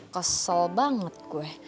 kesel banget gue